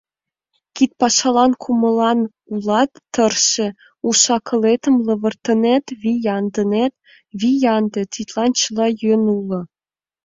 Кидпашалан кумылан улат — тырше, уш-акылетым лывыртынет, вияҥдынет — вияҥде, тидлан чыла йӧн уло.